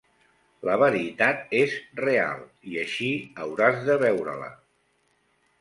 La veritat és real i així hauràs de veure-la.